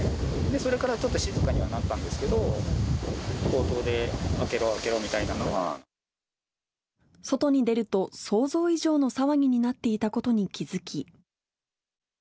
それからちょっと静かにはなったんですけど、外に出ると、想像以上の騒ぎになっていたことに気付き。